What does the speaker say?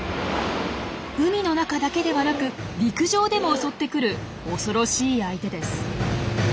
海の中だけではなく陸上でも襲ってくる恐ろしい相手です。